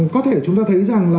có thể chúng ta thấy rằng là